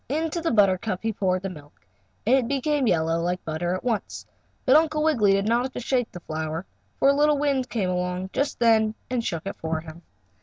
Into the buttercup he poured the milk, and it became yellow like butter at once. But Uncle Wiggily did not have to shake the flower, for a little wind came along just then and shook it for him.